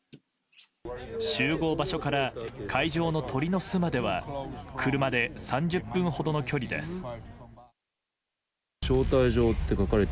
集合場所から会場の鳥の巣までは車で３０分ほどの距離です。